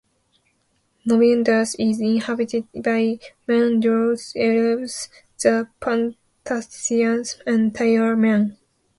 Novindus is inhabited by men, dwarves, elves, the Pantathians, and tiger men.